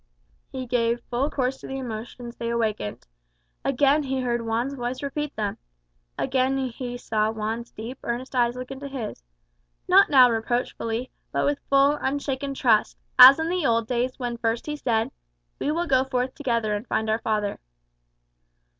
He gave full course to the emotions they awakened. Again he heard Juan's voice repeat them; again he saw Juan's deep earnest eyes look into his; not now reproachfully, but with full unshaken trust, as in the old days when first he said, "We will go forth together and find our father."